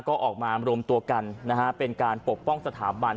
ก็ออกมารวมตัวกันนะฮะเป็นการปกป้องสถาบัน